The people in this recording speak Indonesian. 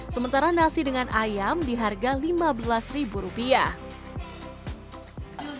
sementara nasi dengan ayam diharga lima belas ribu rupiah